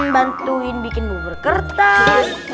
bantuin bikin bubur kertas